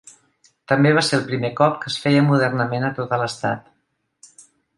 També va ser el primer cop que es feia modernament a tot l'Estat.